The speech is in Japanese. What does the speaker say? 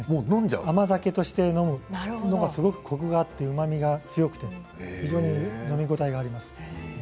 甘酒として飲むのがすごくコクがあって、うまみが強くて飲み応えがあります。